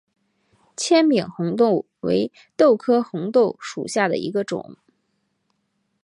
纤柄红豆为豆科红豆属下的一个种。